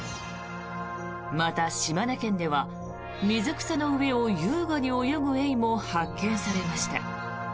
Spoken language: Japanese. また、島根県では水草の上を優雅に泳ぐエイも発見されました。